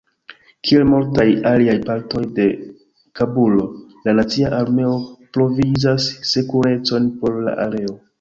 Kiel multaj aliaj partoj de Kabulo, la nacia armeo provizas sekurecon por la areo.